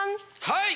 はい！